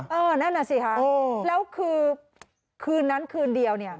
นั่นน่ะสิคะแล้วคือคืนนั้นคืนเดียวเนี่ย